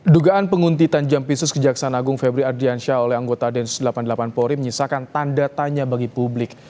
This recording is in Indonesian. dugaan penguntitan jam pisus kejaksaan agung febri ardiansyah oleh anggota d satu ratus delapan puluh delapan pori menyisakan tanda tanya bagi publik